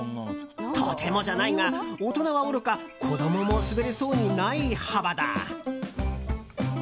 とてもじゃないが大人はおろか子供も滑れそうにない幅だ。